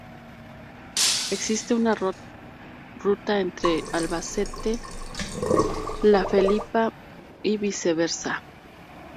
Existe una ruta entre Albacete-La Felipa y viceversa.